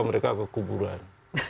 mereka ke kuburan